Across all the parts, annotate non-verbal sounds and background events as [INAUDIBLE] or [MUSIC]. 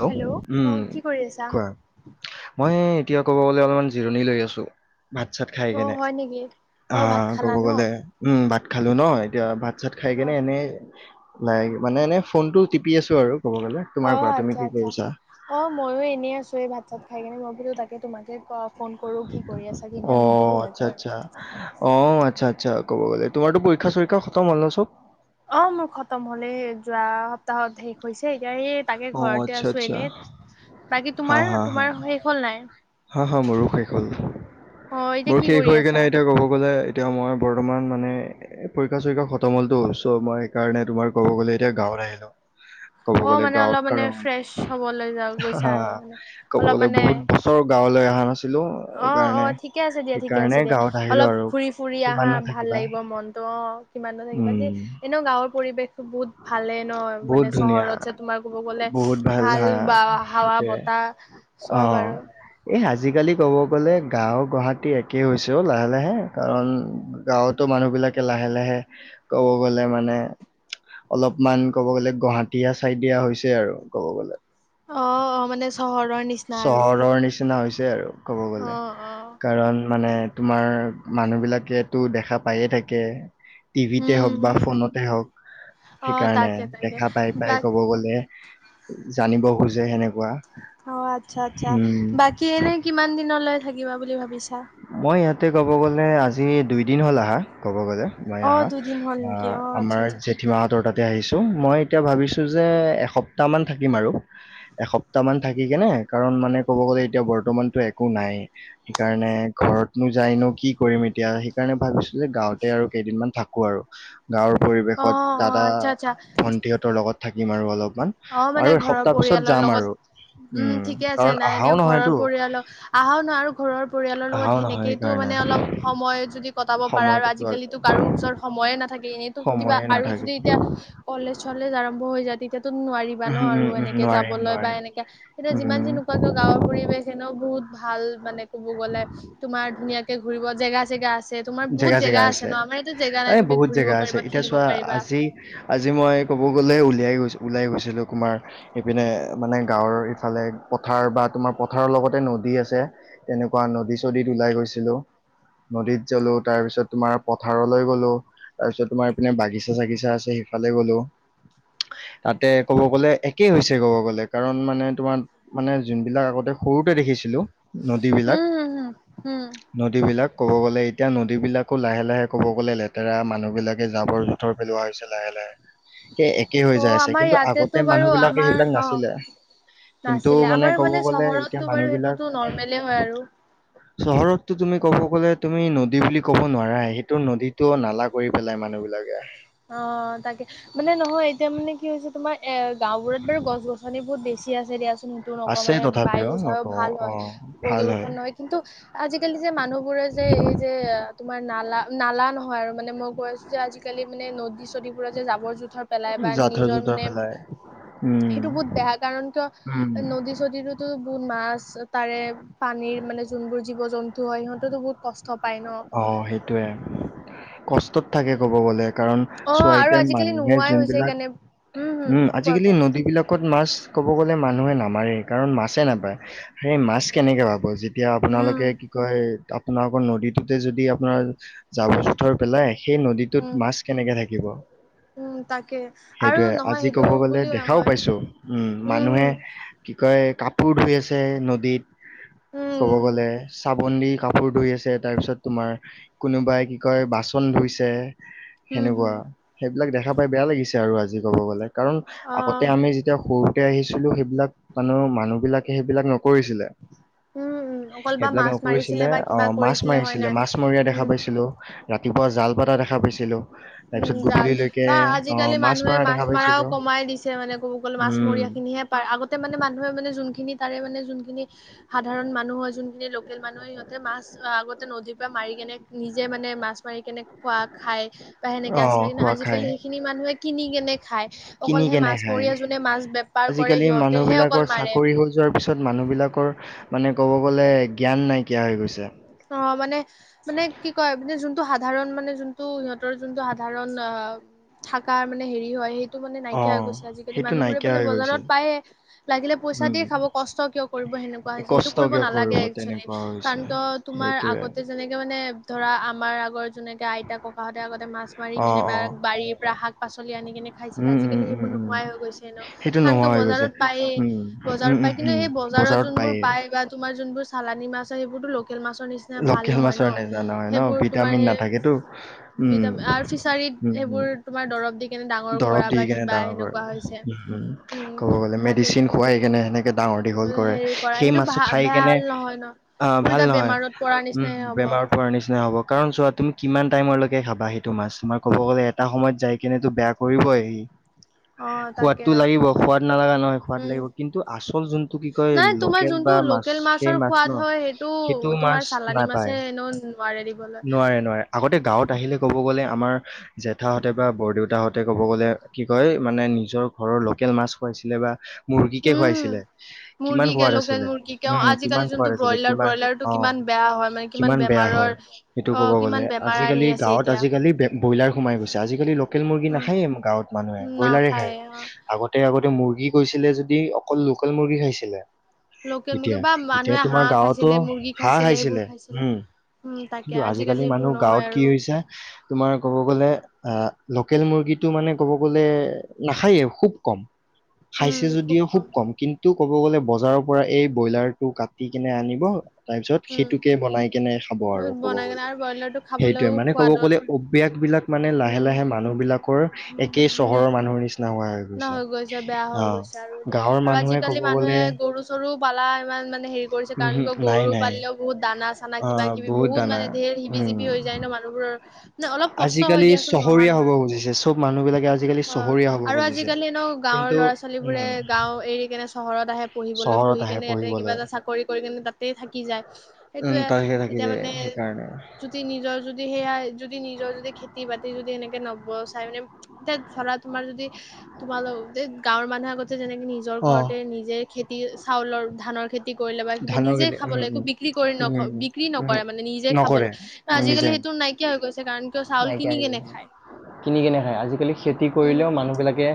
Hello উম কি কৰি আছা কোৱা মই, এতিয়া ক'ব গলে অলপমান জিৰণি লৈ আছো। ভাত চাত খাই অ কেনে হয় নেকি ভাত অ', খালা ক'ব ন গ'লে উম, ভাত খালো ন' এতিয়া ভাত চাত খাই অ কেনে এনেই লাই মানে এনেই ফোনটো টিপি আছোঁ আৰু। ক'ব গ'লে তোমাৰ অ পৰা আচ্ছা আচ্ছা অ ময়ো এনেই আছো এই ভাত চাত খাই কিনে মই বোলো তাকে তোমাকে ক, অ আচ্ছা এবাৰ আচ্ছা অ আচ্ছা আ আচ্ছ ক'ব গ'লে তোমাৰো পৰীক্ষা চৰীক্ষা খম হ' ন চব? অ মোৰ খতম হলেই যোৱা সপ্তাহত শেষ হৈছেই, এতিয়া সেই তাকে অ ঘৰতে আচ্ছা আছো আচ্ছা এনে বাকী হা তোমাৰ হা হা তোমাৰ শেষ হ'ল নাই। হা হা মোৰো শেষ হ'ল অ এতিয়া মোৰ কি শেষ কৰি হৈ আছা কেনোই এতিয়া ক'ব গ'লে। এতিয়া মই বৰ্তমান মানে পৰীক্ষা চৰীক্ষা খতম হলটো চ' মই সেইকাৰণে তোমাৰ ক'ব গ'লে এতিয়া গাঁওৰ আহিলো ক'ব অ গ'লে মানে গাঁৱত অলপ মানে ফ্ৰেছ হবলৈ যা কাৰণ গৈছা হা আৰু মানে ক'ব অলপ গ'লে মানে বহুত ব গাঁৱলৈ অহা না অ অ ঠিকে আছে দিয়া ঠিকে আছে দিয়া গাঁৱত আহিলো অলপ আৰু ফুৰি ফুৰি আহা কিমাননো ভাল থাকিবা লাগিব মনটো অ কিমান ন থাকিবা উম দ এনেও গাঁৱৰ পৰিৱেশ বহুত ভালে নহ বহুত মানে ধুনীয়া চহৰত যে তোমাৰ ক'ব গ'লে বহুত ভাল হা বা হাৱা সেইটোৱে বতাহ অ চব আৰু আজিকালি ক'ব গলে গাঁওৰ গুৱাহাটী একে হৈছে অ লাহে লাহে কাৰণ গাঁৱতো মানু মানুহ বিলাকে লাহে লাহে ক'ব গ'লে মানে অলপমান ক'ব গ'লে গুৱাহাটীয়া চাই দিয়া হৈছে আৰু ক'ব গ'লে অ অ মানে চহৰৰ নিচিনা আৰু চহৰৰ নিচিনা হৈছ ছে আৰু ক'ব অ গ'লে অ কাৰণ মানে তোমাৰ মানুহ বিলাকেতো দেখা পায়ে থাকে টিভিতে উম হওক বা হম ফোনতে হওক অ সেইকাৰণে তাকে তাকে দেখা পাই বা পাই ক'ব গ'লে জানিব খোজে সেনেক অ আচ্ছা আচ্ছা বাকী এনে কিমান দিনলৈ থাকিবা বুলি ভাবিছা মই ইয়াতে ক'ব গ'লে আজি দুইদিন হ'ল আহা ক'ব গ'লে মই অ আহা দুদিন হ'ল নেকি আহ অ আচ্ছা আমাৰ আচ্ছা জেঠমাহঁতৰ তাত তে আহিছোঁ মই এতিয়া ভাবিছোঁ যে এসপ্তাহমান থাকিম আৰু এসপ্তাহ মান থাকি কেনে কাৰণ মানে ক'ব গ'লে এতিয়া বৰ্তমানতো একো নাই সেইকাৰণে ঘৰতনো যায় নো কি কৰিম এতিয়া সেইকাৰণে ভাবিছো যে গাঁওঁতে আৰু কেইদিনমান থাকো আৰু গাঁৱৰ অ পৰিৱেশত অ দাদা আচ্ছা আচ্ছা ভন্টিহঁতৰ লগত থাকিম আৰু অলপ মান অ মানে আৰু ঘৰৰ এসপ্তাহ পিছত পৰিয়ালৰ যাম লগত আৰু উম ঠিকে আছে কাৰণ নাই আহাও এনেও ঘৰৰ নহয়তো পৰিয়ালক আহাও নাই আৰু ঘৰৰ পৰি পৰিয়ালৰ লগত আহাও নহয় সেনেকেইতো সেইকাৰণে মানে অলপ সময় যদি কটাব পাৰা সময় আৰু কটোৱা আজিকালিতো কাৰো ওচৰত সময়ে নাথা কে এটো কিবা সময়ে আৰু নাথাকে যদি এতিয়া কলেজ চলেজ আৰম্ভ হৈ যায় তেতিয়া টো নোৱাৰিবা ন উম আৰু উম উম এনেকে নোৱাৰিম যাবলৈ বা নোৱাৰিম এনেকে এতিয়া উম যিমান যি নোকোৱা কিয় গাঁৱৰ পৰিৱেশ নেও বহুত ভাল মানে কব গলে তোমাৰ ধুনীয়াকে ঘুৰিব জেগা চেগা আছে তোমাৰ বহুত জেগা আছে ন আমাৰ ইয়াতে জেগা নাই এই তুমি বহুত ঘূৰিব জেগা আছে পাৰিবা এতিয়া খেলিব চোৱা পাৰিবা আজি আজি মই ক'ব গ'লে সেয়াই গৈছো ওলাই গৈছিলো তোমাৰ এইপিনে মানে গাঁৱৰ এইফালে পথাৰ বা তোমাৰ পথাৰৰ অলপ লগতে নদী আছে তেনেকুৱা নদী চদীত ওলাই গৈছিলো নদীত জালো তাৰ পিছত তোমাৰ পথাৰলৈ গ'লো তাৰ পিছত তোমাৰ ইপিনে বাগিছা চাগিচা আছে সিফালে গ'লো তাতে ক'ব গ'লে একে হৈছে ক'ব গ'লে কাৰণ মানে তোমাৰ মানে যোনবিলাক আগতে সৰুতে দেখিছিলো উম নদীবলাক হম হম হম নদীবিলাক ক'ব গ'লে এতিয়া নদী বিলাকো লাহে লাহে ক'ব গ'লে লেতেৰা মানুহ বিলাকে জাবৰ জোঁথৰ পেলোৱা হৈছে লাহে লাহে একে হৈ অ যায় আছে আমাৰ কিন্তু আগতে ইয়াতেতো মানুহ বাৰু বিলাকে আমাৰ সেইবিলাক অহ নাছিলে কিন্তু নাছিলে আমাৰ ক'ব মানে গ'লে এতিয়া চহৰতটো মানুহ বাৰু বিলাক সেইটোতো নৰ্মলে হয় আৰু চহৰততো তুমি ক'ব গ'লে তুমি নদী বুলি ক'ব নোৱাৰা সেইটো নদীতটো নালা কৰি পেলাই মানুহ বিলাকে অ তাকে মানে নহয় এতিয়া মানে কি হৈছে তোমাৰ এ গাঁও বোৰত বাৰু গছ গছনি বহুত বেছি আছে দিয়া কোনটো নকওঁ আছে মানে বায়ু তথাপিও চায়ো নকওঁ ভাল অ হয় ভাল হয় প্ৰদূ্ষন নহয় কিন্তু আজিকালি যে মানুহবোৰে যে এই যে তোমাৰ নালা নালা নহয় আৰু মানে মই কৈ আছো যে আজিকালি মানে নদী চদীবোৰত যে জাবৰ জোথৰ পেলাই বা জাথৰ নিজৰ জোথৰ মানে পেলাই উম সেইটো বহুত বেয়া কাৰণে উম ত নদী চদীতো বহুত মাছ তাৰে পানীৰ মানে যোনবোৰ জীৱ জন্তু হয় সিহঁতেতো বহুত কষ্ট পায় ন অহ সেইটোৱে আৰু কষ্টত থাকে ক'ব গলে কাৰণ অ আৰু চোৱা আজিকালি মানুহে নোহোৱাই হৈছে যোনবিলাক সেইকাৰণে হম উম কোৱা আজিকালি কোৱা আ নদীবিলাকত মাছ ক'ব গ'লে মানুহে নামাৰে কাৰণ মাছেই নাপায়। সেই মাছ কেনেকে পাব যেতিয়া উম আপোনালোকে কি কয় আপোনালোকৰ নদীত, তে যদি আপোনাৰ জাবৰ জোথৰ পেলাই। সেই উম নদীটোত মাছ কেনেকে থাকিব। উম তাকে আৰু সেইটোয়ে, নহয় আজি সেইটো কব গ'লে বুলিও দেখাও নহয় পাইছো। উম, মানুহে কি কি কয় কাপোৰ ধুই আছে নদীত হম ক'ব উম গলে চ ভন্টি, কাপোৰ ধুই আছে। তাৰ পিছত তোমাৰ, কোনোবাই কি কয় বাচন ধুইছে। হম সেনেকুৱা হম সেইবিলাক দেখা পাই বেয়া লাগিছে আৰু আজি ক'ব গ'লে। কাৰণ, অ আগতে আমি যেতিয়া সৰুতে আহিছোঁ ছিলো, সেইবিলাক মানে মানুহ বিলাকে সেইবিলাক নকৰিছিলে। উম উম অকল বা সেইবিলাক, মাছ মাৰিছিলে নকৰিছিলে। বা কিবা অ', মাছ কৰিছিলে হয় মাৰিছিলে, নাই মাছ মৰীয়া দেখা উম পাইছিলো। ৰাতিপুৱা জাল পাতা দেখা পাইছিলোঁ, উম তাৰপিছত জাল গধূলিলৈকে বা অ আজিকালি মানুহে মৰা মাছ দেখা মৰাও পাইছিলো কমাই দিছে মানে ক'ব গ'লে উম মাছৰীয়া খিনিহে পায় আগতে মানে মানুহে মানে জো, খিন তাৰে মানে যোনখিনি সাধাৰণ মানুহ হয় যোনখিনি লোকেল মানুহে সিহঁতে মাছ আগত। নদীৰ পৰা মাৰি কেনে নিজে মানে মাছ মাৰি কেনে খোৱা খাই। বা সেনেকে অ আছিলে কিন্তু খোৱা খাই আজিকালি সেইখিনি মানুহে কিন কেনে। খাই, অকল কিনি সেই কেনে খায় মাছমৰীয়া। যোনে মাছ বেপাৰ কৰে, আজিকালি মানুহ সিহঁতেহে অকল বিলাকৰ মাৰে। চাকৰি হৈ যোৱাৰ পিছত মানুহ বিলাকৰ মানে ক'ব গ'লে জ্ঞান নাইকিয়া হৈ গৈছে। অ মানে মানে কি কয়। মানে যোনটো, সাধাৰণ মানে যোনটো সিহঁতৰ যোনটো সাধাৰণ। অ', থাকা মানে হেৰি হয় সেই টো মানে অ নাইকিয়া হৈ গৈছে আজিকালি সেইটো মানুহবোৰে নাইকিয়া মানে হৈ গৈছে বজাৰত পায়ে, লাগিলে পইচা দিয়ে উম খাব, কষ্ট কিয় কৰিব। সেনেকুৱা হৈছে, সেইটো কষ্ট কৰিব কিয় নালাগে একচুৱেলি তেনেকুৱা হৈছে কাৰণ কিয়? তোমাৰ সেইটোয়ে আগতে যেনেকে মানে ধৰা আমাৰ আগৰ যেনেকে আইতা ককাহঁতে আগতে মাছ মাৰি অ কেনেবা অ বাৰীৰ পৰা শাক, পাচলি আনি কেনে খাইছিলে। উম উম আজিকালি উম সেইবোৰ উম নোহোৱাই হৈ গৈছে, হেনো সেইটো কাৰন নোহোৱা কিয় হৈ গৈছে বজাৰত পায়েই। উম বজাৰত উম পাই, উম কিন্তু উম সেই বজাৰত যোনবোৰ পায়েই পায় বা তোমাৰ যোনবোৰ চালানী মাছ হয় সেইবোৰতো লোক লোকেল মাছৰ নিচিনা ভাল লোকেল নহয় ন মাছৰ নিচিনা নহয় ন সেইবোৰ তোমাৰ ভিটামিন সেই নাথাকেতো উম ভিজাম আৰ ফিচাৰিত এইবোৰ তোমাৰ দৰব দি কেনে ডাঙৰ কৰা দৰব দি বা কেনে কিবা ডাঙৰ কৰে, সেনেকুৱা হৈছে উম ক'ব গলে তাকেতো মেডিচিন খুৱাই কেনে সেনে ডাঙৰ দীঘল কৰে হেৰি কৰা সেই সেইটো ভ মাছ খাই কেনে ভাল নহয় ন অ উল্টা ভাল নহয় বেমাৰত পৰা উম নিচিনাহে হ'ব বেমাৰ পোৱাৰ নিচিনা হ'ব কাৰণ চোৱা তুমি কিমান টাইম লৈকে খাবা সেইটো মাছ, তোমাৰ ক'ব গ'লে এটা সময়ত যাই কেনেতো বেয়া কৰিবই সি। [INAUDIBLE] তাকে সোৱাদটো তাকে লাগিব, সোৱাদ নালাগা নহয়। সোৱাদ উম লাগিব, কিন্তু আচল যোনটো কি কয় নাই তোমাৰ লোকেল যোনটো বা মাছ, লোকেল মাছৰ সেই মাছ সোৱাদ নহ? হয় সেইটো মাছ তোমাৰ চালানী মাছে নাপায়। এনেও নোৱাৰে দিবলৈ নোৱাৰে, নোৱাৰে। আগতে, গাঁৱত আহিলে ক'ব গ'লে আমাৰ জেঠাহঁতে বা বৰদেউতাহঁত তে ক'ব গ'লে কি কয়, মানে নিজৰ ঘৰৰ লোকেল মাছ খুৱাইছিলে বা মুৰ্গীকে উম খুৱাইছিলে কিমান মুৰ্গীকে খোৱাদ লোকেল আছিলে মুৰ্গীকে অ' উম আজিকালি কিমান যোনটো খোৱাদ আছিলে ব্ৰইলাৰ কিমান ব্ৰইলাৰটো অ কিমান বেয়া হয় মানে কিমান বেয়া বেমাৰৰ হয় সেইটো ক'ব অ কিমান গ'লে, বেমাৰ আনি আজিকালি আছে গাঁৱত এতিয়া আজিকালি ব্ৰইলাৰ সোমাই গৈছে। আজিকালি, লোকেল মুৰ্গী উম নাখায়েই। গাঁৱত মানুহে ব্ৰইলাৰে খায় নাখায় অ আগতে আগতে মুৰ্গী গৈছিলে যদি অকল লোকেল মুৰ্গী খাইছিলে লোকেল মুৰ্গী এতিয়া বা এতিয়া মানুহে তোমাৰ হাঁহ গাঁৱতো খাইছিলে মুৰ্গী হাঁহ সেইবোৰ খাইছিলে উম উম তাকে কিন্তু আজিকালি এইবোৰ মানুহ গাঁৱত নহয় কি আৰু হৈছে তোমাৰ ক'ব গলে অ লোকেল মুৰ্গীটো মানে ক'ব গ'লে নাখায়ে খুব কম খাইছে যদিও খুব কম কিন্তু ক'ব গ'লে বজাৰৰ পৰা এই ব্ৰইলাৰটো কা [UNINTELLIGIBLE] দি কেনে আনিব, তাৰ পিছত উম সেইটোকে বনাই কেনে [UNINTELLIGIBLE] আৰু ক'ব বনাই কেনে গ'লে। আৰু ব্ৰইলাৰটো সেইটোৱে খাবলৈও মানে ক'ব সোৱাদত গ'লে, অভ্যাস বিলাক মানে, লাহে উম লাহে মানুহ বিলাকৰ একেই চহৰৰ মানুহৰ নিচিনা ন হৈ গৈছে, বেয়া অ হৈ গৈছে আৰু এতিয়া। গাঁৱৰ আৰু মানুহে আজিকালি, ক'ব মানুহে গ'লে গৰু চৰু পালা ইমান মানে হেৰি কৰিছে কাৰণ উহু কিয় নাই গৰু নাই পালিলেও বহুত দানা চানা অ কিবা কিবি বহুত দানা মানে ধেৰ সিবি উম জিবি হৈ যায় ন মানুহবোৰৰ ন অলপ কষ্ট হয় আজিকালি দিয়াচোন নহোৱা চহৰীয়া হ'ব নহয় খুজিছে চব মানুহ বিলাকে আজিকালি অ'! চহৰীয়া হ'ব আৰু খুজিছে আজিকালি ন', গাঁৱৰ কিন্তু ল'ৰা ছোৱালী বোৰে উম গাওঁ এৰি কেনে চহৰত আহে পঢ়িবলৈ। চহৰত পঢ়ি আহে কেনে ইয়াতে কিবা পঢ়িবলৈ এটা চাকৰি কৰি কেনে তাতে থাকি যায়। উম সেইটোৱে, তালৈকে থাকি এতিয়া যায় মানে সেইকাৰণে যদি নিজৰ যদি সেয়াই যদি নিজৰ যদি খেতি বাতি যদি এনেকে নব চাই মানে তেত ধৰা তোমাৰ যদি তোমালোকে গাঁৱৰ মানুহৰ আগত যেনেকে নিজৰ অ ঘৰতে নিজে খেতি চাউলৰ ধানৰ খেতি কৰিলে বা কিবা ধানৰ নিজে খেতি উম খাবলে উম একো বিক্ৰী [UNINTELLIGIBLE] ন উম বিক্ৰী উম নকৰে মানে নিজে নকৰে খাবলে নিজে আজিকালি সেইটো নাইকিয়া হৈ গৈছে কাৰণ কিয় চাউল নাইকিয়া হৈ কিনি কেনে গৈছে নেখায়। কিনি কেনে খায়। আজিকালি, খেতি কৰিলেওঁ মানুহবিলাকে,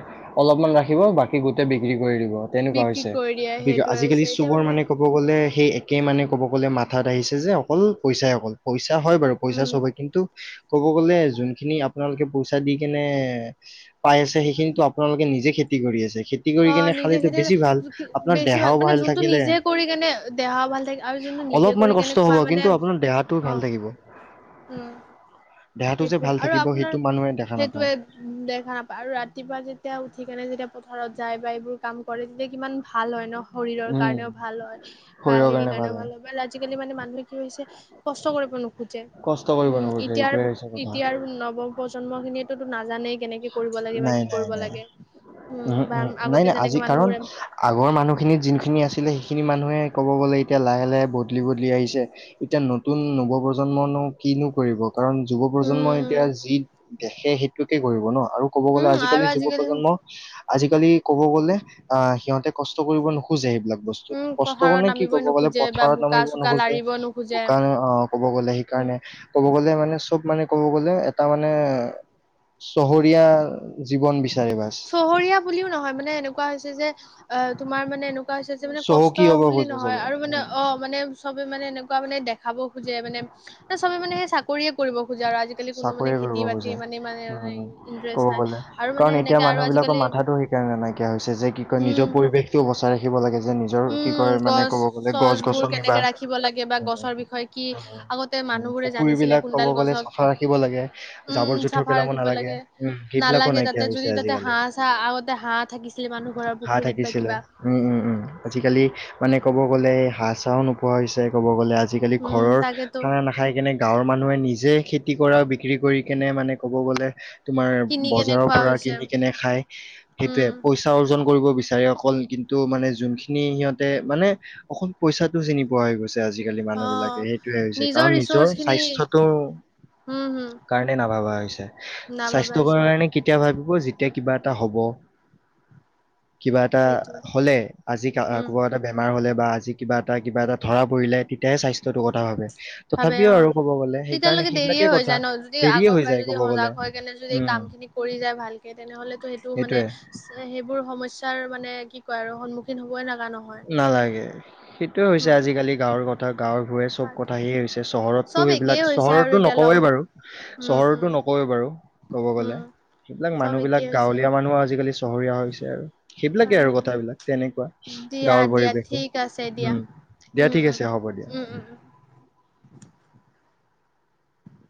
অলপমান ৰাখিব। বাকী গোটেই বি কৰি দিব তেনেকুৱা বিক্ৰী হৈছে। কৰি দিয়ে সেইটোৱে আজিকালি হৈছে এতিয়া চবৰ মানে, ক'ব গ'লে সেই, একে মানে, ক'ব গ'লে মাথাত আহিছে যে, অকল পইচাই, অকল পইচা এ, হয় বাৰু। পইচা উম চবে কিন্তু, ক'ব গ'লে যোনখিনি আপোনালোকে পইচা দি কেনে পাই আছে সেইখিনিতো আপোনালোকে নিজে খেত তি কৰি আছে খেতি কৰি অ কিনে খালে নিজে ত' বেছি ভাল। খেতি আপোনাৰ বেছি দেহাও মানে ভাল যোনটো থাকিলে। নিজে কৰি কেনে দেহা ভাল থাকে আৰু যোনটো নিজে অলপমান কৰি কেনে কষ্ট হ'ব। খোৱা কিন্তু, মানে আপোনাৰ দেহাটো অ ভাল থাকিব। উম, দেহাটো যে সেইটোৱে ভাল আৰু থাকিব আপোনাৰ সেইটো মানুহে দেখা নাপায়। সেইটোৱে দেখা নাপায় আৰু ৰাতিপুৱা যেতিয়া, উঠি কেনে যেতিয়া পথাৰত যাই বা এইবোৰ কাম কৰে তেতিয়া কিমান ভাল হয় ন শৰীৰৰ উম কাৰণেও ভাল হয় বা হেৰিৰ কাৰণেও ভাল হয় আজিকালি মানে মানুহে কি হৈছে, কষ্ট কৰিব নোখোজে। কষ্ট কৰিব উম, নোখোজে এতিয়াৰ এইটোৱে হৈছে কথা। এতিয়া আৰু নৱপ্ৰজন্ম খিনিয়ে নাজানেই কেনেকে কৰিব লাগে বা নাই কি নাই কৰিব নাই লাগে উম বা উম নাই আগতে নাই যেনেকে আজি কাৰণ মানুহবোৰে উম আগৰ মানুহখিনিত যোনখিনি আছিলে খিনি মানুহে ক'ব গ'লে এতিয়া লাহে লাহে বদলি বদলি আহিছে এতিয়া নতুন নব প্ৰজন্মনো কিনো কৰিব কাৰণ, যুৱ প্ৰজন্ম এতিয়া উম যি দেখে সেইটোকে কৰিব ন'। আৰু ক'ব গ'লে উম আৰু আজিকালি যুৱ প্ৰজন্মৰ আজিকালি, ক'ব গ'লে, আঁ সিহঁতে কষ্ট কৰিব নোখোজে এইবিলাক। বস্তুত, উম কষ্ট পথাৰত মানে কি নামিবই ক'ব গ'লে নোখোজে বা পথাৰত বোকা নামিব চোকা নোখোজে। লাৰিব নোখোজে [UNINTELLIGIBLE] ক'ব গ'লে উম সেইকাৰণে ক'ব গলে মানে চব মানে ক'ব গ'লে এটা মানে চহৰীয়া জীৱন বিচাৰে বা চহৰীয়া বুলিও নহয় মানে এনেকুৱা হৈছে যে অ তোমাৰ মানে এনেকুৱা হৈছে যে মানে কষ্ট চহকী হ'ব বুলি খোজে নহয় চবে আৰু মানে অ মানে চবে মানে, এনেকুৱা মানে, দেখাব খোজে মানে, চবে মানে, সেই চাকৰিয়ে কৰিব খোজে। খোজা আৰু আজিকালি কোনো মানে, চাকৰি খেতি কৰিব বাতি খোজে। মানে, মানে, উম ইন্টাৰেষ্ট ক'ব নাই। গ'লে আৰু মানে কাৰণ, এতিয়া সেনেকে আৰু মানুহ বিলাকৰ আজিকালি মাথাটো সেইকাৰণে নাইকিয়া হৈছে। যে কি কয়, উম, নিজৰ পৰিৱেশটোও বচাই ৰাখিব লাগে যেন। নিজৰ কি উম, কয় মানে গছ ক'ব গলে চছ গছ বোৰ গছনি বা কেনেকে ৰাখিব লাগে বা গছৰ বিষয়ে কি আগতে মানুহবোৰে পুখুৰী জানিছিলে বিলাক ক'ব কোনডাল গ'লে গছক চফা ৰাখিব লাগে। উম, জাবৰ -জোঁথৰ চাফা পেলাব ৰাখিব নালাগে। লাগে। উম, সেইবিলাকো নালাগে তাতে নাইকিয়া হৈছে যদি তাতে আজিকালি। হাঁহ চাহ আগতে হাঁহ থাকিছিলে মানুহ ঘৰৰ হাঁহ পুখুৰীত বা থাকিছিল। কিবা উম! উম! উম! আজিকালি মানে, ক'ব গ'লে হাঁহ চাঁও নোপোৱা হৈছে। ক'ব গ'লে আজিকালি, উম ঘৰৰ তাকেতো খানা নাখায় কেনে গাঁৱৰ মানুহে নিজে খে এনে মানে, ক'ব গ'লে তোমাৰ কিনি কেনে বজাৰৰ খোৱা পৰা হৈছে কিনি কেনে খায়। সেইটোৱে উম পইচা অৰ্জন কৰিব বিচাৰে অকল কিন্তু মানে যোনখিনি সিহঁতে মানে অকল পইচাটো চিনি পোৱা হৈ গৈছে। আজিকালি, অ মানুহ বিলাকে সেইটোৱে হৈছে। কাৰণ, নিজৰ স্বাস্থ্যটো উম! উম! ভাবা হৈছে স্বাস্থ্যকৰ কাৰণে কেতিয়া ভাবি যেতিয়া, কিবা এটা হ'ব। কিবা এটা সেইটোৱে হলে আজি উম ক'বা এটা বেমাৰ হলে বা আজি কিবা এটা কিবা এটা ধৰা পৰিলে তেতিয়াহে স্বাস্থ্য স্বাস্থ্যতো কথা ভাবে ভাবে তথাপিও অ আৰু ক'ব গলে সেইকাৰণে তেতিয়ালৈকে সেইবিলাক দেৰিয়ে হৈ যায় ন যদি আগৰ পৰাই যদি সজাগ হৈ কেনে যদি উম কাম খিনি কৰি যায় ভালকে তেনেহলেতো সেইটো মানে সেইটোয়ে সেইবোৰ সমস্যাৰ মানে কি কয় আৰু সন্মুখীন হবই না নালাগে, সেইটোয়ে হৈছে হয় আজিকালি গাঁওৰ কথা গাঁওৰ ৰয় চব তাকে কথা সেইয়ে হৈছে চহৰতো চব সেইবিলাক একেই হৈছে আৰু চহৰতো এতিয়া লগ নকওঁৱেই বাৰু উম চহৰতো উম নক‌ওঁৱে বাৰু। ক'ব গ'লে উম সেইবিলাক চব মানুহবিলাক একেই হৈছে গাঁওলীয়া মানুহ আজিকালি চহৰ ৰীয়া হৈছে আৰু সেইবিলাকে আৰু কথাবিলাক তেনেকোৱা। দিয়া গাঁওৰ দিয়া পৰিৱেশো ঠিক আছে দিয়া উম দিয়া উম ঠিক উম আছে হ'ব দিয়া উম উম উ। উম